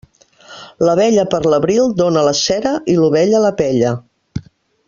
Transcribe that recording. L'abella per l'abril dóna la cera i l'ovella la pella.